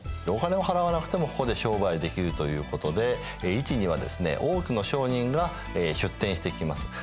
お金を払わなくてもここで商売できるということで市にはですね多くの商人が出店してきます。